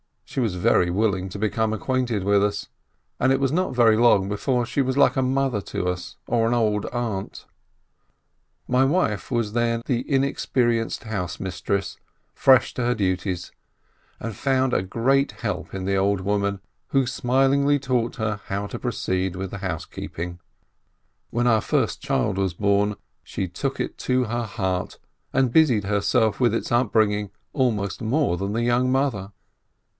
She was very willing to become acquainted with us, and it was not very long before she was like a mother to us, or an old aunt. My wife was then an inexperienced "housemistress" fresh to her duties, and found a great help in the old woman, who smilingly taught her how to proceed with the house keeping. When our first child was born, she took it to her heart, and busied herself with its upbringing almost more than the young mother.